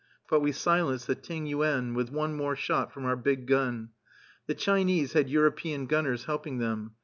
But we silenced the Ting yuen with one more shot from our big gun. The Chinese had European gunners helping them.